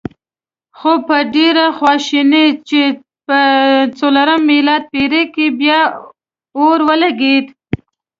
خو په ډېرې خواشینۍ چې په څلورمه میلادي پېړۍ کې بیا اور ولګېد.